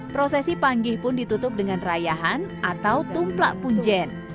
prosesi panggih pun ditutup dengan rayahan atau tumplak punjen